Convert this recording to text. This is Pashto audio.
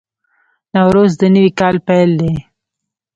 نوروز د نوي کال پیل دی.